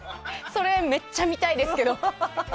それ、めっちゃ見たいですけど。